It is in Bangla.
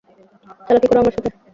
চালাকি করো আমার সাথে?